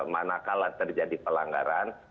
mana kalah terjadi pelanggaran